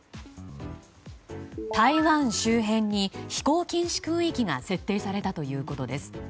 台湾周辺に飛行禁止区域が設定されたということです。